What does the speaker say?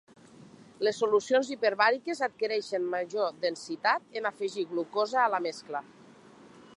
Les solucions hiperbàriques adquireixen major densitat en afegir glucosa a la mescla.